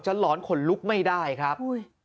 หลอนขนลุกไม่ได้ครับ